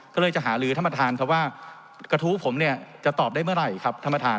ก็เลยจะหาลือท่านประธานเพราะว่ากระทู้ผมจะตอบได้เมื่อไหร่